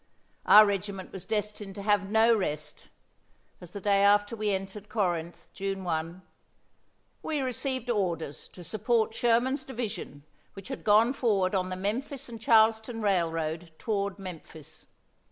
Our regiment was destined to have no rest, as the day after we entered Corinth, June 1: "We received orders to support Sherman's division which had gone forward on the Memphis and Charleston Railroad toward Memphis.